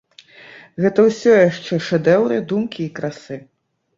Гэта ўсё яшчэ шэдэўры думкі і красы.